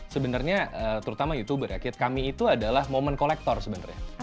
sebenarnya terutama youtuber ya kami itu adalah momen kolektor sebenarnya